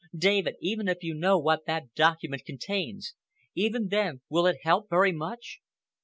David, even if you know what that document contains, even then will it help very much?"